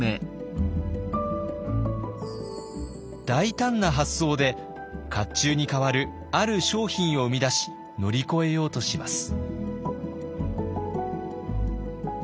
大胆な発想で甲冑に代わるある商品を生み出し乗り越えようとします。